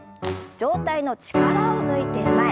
上体の力を抜いて前。